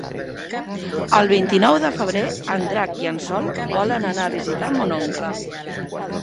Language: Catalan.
El vint-i-nou de febrer en Drac i en Sol volen anar a visitar mon oncle.